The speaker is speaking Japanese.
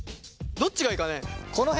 どっちがいいかね？